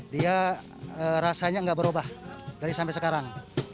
dia rasanya nggak berubah dari sampai sekarang